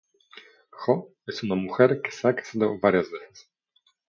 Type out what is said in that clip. Jo es una mujer que se ha casado varias veces.